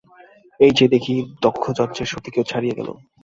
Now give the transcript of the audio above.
এ যে দেখি দক্ষযজ্ঞের সতীকেও ছাড়িয়ে গেল।